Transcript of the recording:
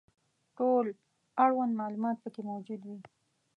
ټول اړوند معلومات پکې موجود وي.